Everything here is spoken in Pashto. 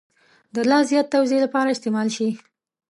د لا زیات توضیح لپاره استعمال شي.